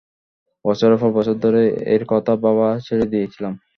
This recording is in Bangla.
বছরের পর বছর ধরে এর কথা ভাবা ছেড়েই দিয়েছিলাম।